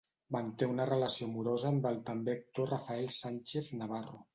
Manté una relació amorosa amb el també actor Rafael Sánchez Navarro.